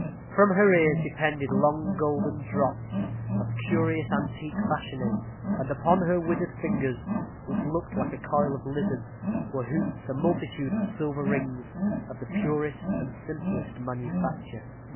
From her ears depended long golden drops, of curious antique fashioning; and upon her withered fingers, which looked like a coil of lizards, were hooped a multitude of silver rings, of the purest and simplest manufacture.